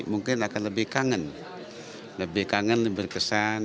mungkin akan lebih kangen lebih kangen lebih berkesan